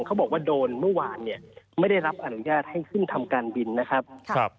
เขาบอกว่าโดนเมื่อวานเนี่ยไม่ได้รับอนุญาตให้ขึ้นทำการบินนะครับ